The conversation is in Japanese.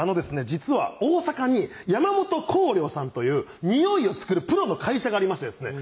実は大阪に山本香料さんというニオイを作るプロの会社がありましてですね